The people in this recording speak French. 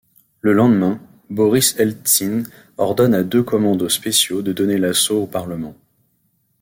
Le lendemain, Boris Eltsine ordonne à deux commandos spéciaux de donner l'assaut au parlement.